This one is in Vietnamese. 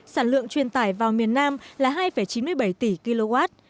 sản lượng truyền tải vào miền nam là hai chín mươi bảy tỷ kw